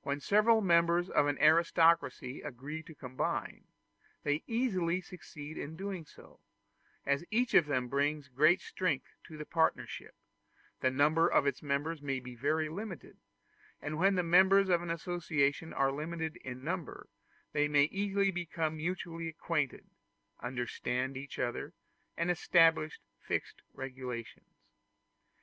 When several members of an aristocracy agree to combine, they easily succeed in doing so; as each of them brings great strength to the partnership, the number of its members may be very limited; and when the members of an association are limited in number, they may easily become mutually acquainted, understand each other, and establish fixed regulations.